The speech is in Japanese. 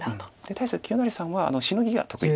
対して清成さんはシノギが得意。